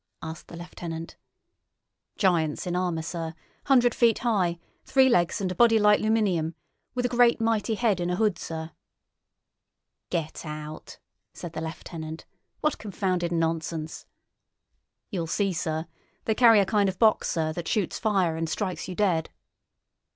asked the lieutenant. "Giants in armour, sir. Hundred feet high. Three legs and a body like 'luminium, with a mighty great head in a hood, sir." "Get out!" said the lieutenant. "What confounded nonsense!" "You'll see, sir. They carry a kind of box, sir, that shoots fire and strikes you dead."